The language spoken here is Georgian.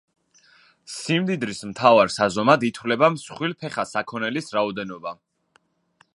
სიმდიდრის მთავარ საზომად ითვლება მსხვილფეხა საქონელის რაოდენობა.